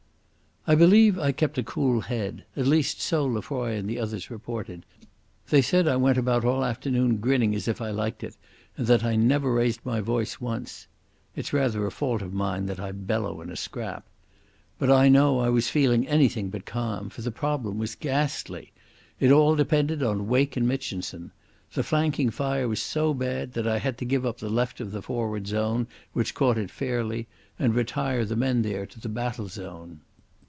I believe I kept a cool head; at least so Lefroy and the others reported. They said I went about all afternoon grinning as if I liked it, and that I never raised my voice once. (It's rather a fault of mine that I bellow in a scrap.) But I know I was feeling anything but calm, for the problem was ghastly. It all depended on Wake and Mitchinson. The flanking fire was so bad that I had to give up the left of the forward zone, which caught it fairly, and retire the men there to the battle zone.